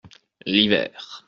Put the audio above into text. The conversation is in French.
L’hiver.